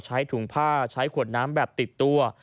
ใช้ถุงผ้าใช้ขวดน้ำแบบติดตัว